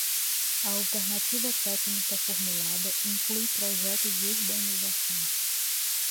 A alternativa técnica formulada inclui projeto de urbanização.